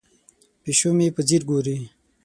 پیشو مې په ځیر ګوري.